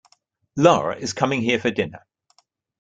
Lara is coming here for dinner.